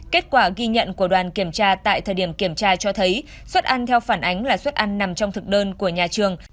kết quả ghi nhận của đoàn kiểm tra tại thời điểm kiểm tra cho thấy suất ăn theo phản ánh là suất ăn nằm trong thực đơn của nhà trường